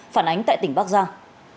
phản ánh tại tỉnh bắc giang